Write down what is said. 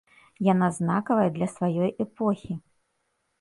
Яна знакавая для сваёй эпохі.